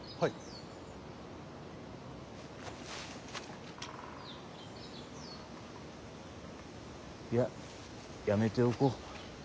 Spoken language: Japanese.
いややめておこう。